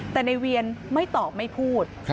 แต่ในเวียนไม่ตอบไม่พูด